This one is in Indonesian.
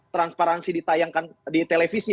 transparansi ditayangkan di televisi